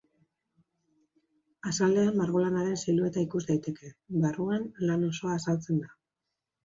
Azalean margolanaren silueta ikus daiteke; barruan, lan osoa azaltzen da.